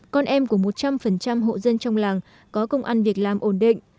con em của một trăm linh hộ dân trong làng có công ăn việc làm ổn định